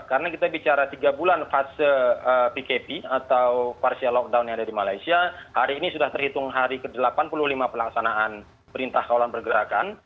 karena kita bicara tiga bulan fase pkp atau partial lockdown yang ada di malaysia hari ini sudah terhitung hari ke delapan puluh lima pelaksanaan perintah kawalan pergerakan